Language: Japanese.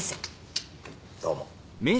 どうも。